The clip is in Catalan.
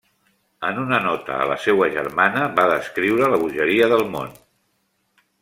En una nota a la seua germana, va descriure la bogeria del món.